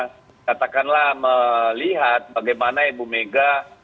katakanlah melihat bagaimana ibu mega